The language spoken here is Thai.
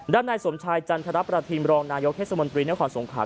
ด้านนายสมชายจันทรประธิมรองนายเคสมนตรีเนื้อข่อนสงขา